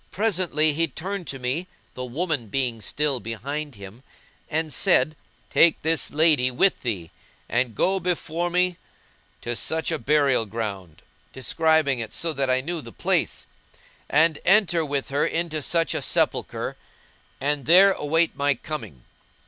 Presently he turned to me (the woman being still behind him) and said, "Take this lady with thee and go before me to such a burial ground" (describing it, so that I knew the place), "and enter with her into such a sepulchre[FN#190] and there await my coming."